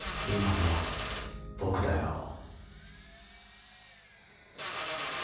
今の僕だよ。